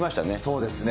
そうですね。